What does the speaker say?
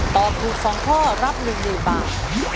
ตอบถูกสองข้อรับหนึ่งหนึ่งบาท